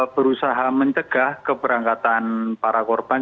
berusaha mencegah keberangkatan para korban